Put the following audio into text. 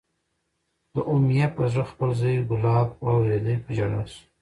د امیة پر زړه خپل زوی کلاب واورېدی، په ژړا شو